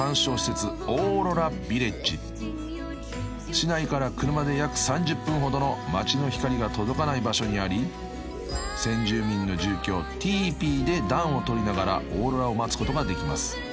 ［市内から車で約３０分ほどの街の光が届かない場所にあり先住民の住居ティーピーで暖をとりながらオーロラを待つことができます］